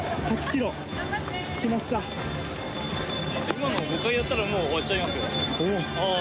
・今のを５回やったらもう終わっちゃいますよ。